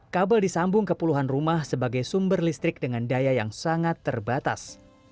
kabel disambung ke puluhan rumah sebagai sumber listrik dengan daya yang sangat terbatas